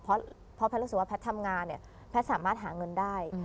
เพราะแพทย์รู้สึกว่าแพทย์ทำงานเนี่ยแพทย์สามารถหาเงินได้